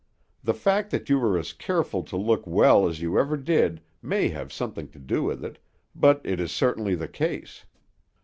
The fact that you are as careful to look well as you ever did may have something to do with it, but it is certainly the case.